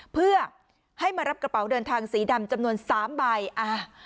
เพื่อให้มารับกระเป๋าเดินทางสีดำจำนวนสามใบอ่า